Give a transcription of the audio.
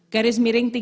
garis miring tiga